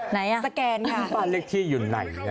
นี่บ้างคนอยู่ไหนนะ